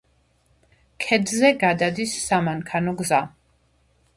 ქედზე გადადის სამანქანო გზა.